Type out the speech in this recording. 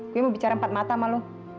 gue mau bicara empat mata sama lo